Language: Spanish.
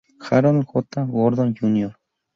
Harold J. Gordon Jr.